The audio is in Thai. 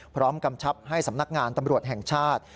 กำชับให้สำนักงานตำรวจแห่งชาติ